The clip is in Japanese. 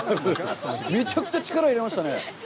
めちゃくちゃ力入れましたね。